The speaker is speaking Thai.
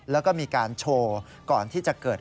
แล้วก็มีการโชว์ก่อนที่จะเกิด